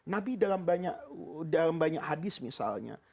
nabi dalam banyak hadis misalnya